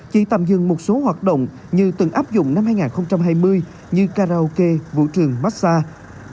chỉ tạm dừng một số hoạt động như từng áp dụng năm hai nghìn hai mươi như karaoke vũ trường massage